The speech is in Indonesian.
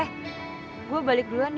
eh gue balik duluan nih